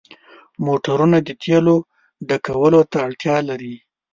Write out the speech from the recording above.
موټرونه د تیلو ډکولو ته اړتیا لري.